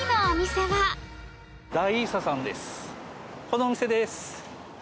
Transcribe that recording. このお店です。